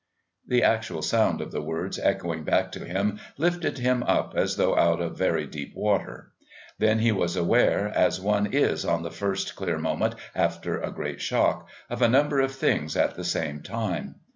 The actual sound of the words echoing back to him lifted him up as though out of very deep water. Then he was aware, as one is in the first clear moment after a great shock, of a number of things at the same time.